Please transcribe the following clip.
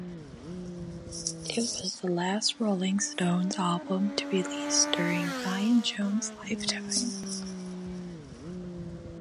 It was the last Rolling Stones album to be released during Brian Jones' lifetime.